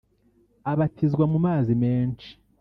abatizwa mu mazi menshi